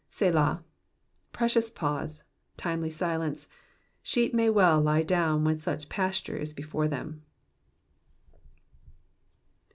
Selah.'' Precious pause I Timely silence 1 Sheep may well lie down when such pasture is before them.